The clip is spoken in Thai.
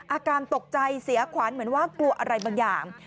อาการตกใจเสียขวัญเหมือนว่ากลัวอะไรบางอย่าง